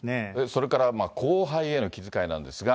それから後輩への気遣いなんですが。